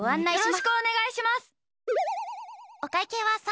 よろしくお願いします！